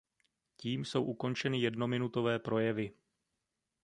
Tím jsou ukončeny jednominutové projevy.